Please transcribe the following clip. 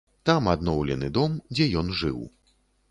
Там адноўлены дом, дзе ён жыў.